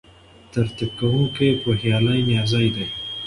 ترتیب کوونکی پوهیالی نیازی دی.